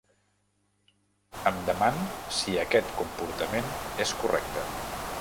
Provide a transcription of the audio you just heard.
Em deman si aquest comportament és correcte.